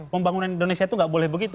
pembangunan indonesia itu nggak boleh begitu